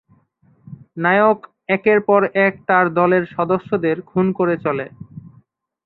নায়ক একের পর এক তার দলের সদস্যদের খুন করে চলে।